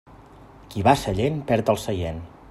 Qui va a Sallent perd el seient.